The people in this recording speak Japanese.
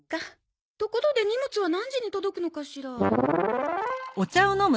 ところで荷物は何時に届くのかしら？